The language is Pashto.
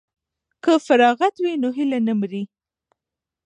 که فراغت وي نو هیله نه مري.